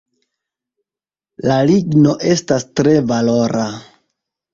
La ligno estas tre valora.